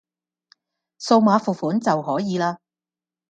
掃碼付款就可以喇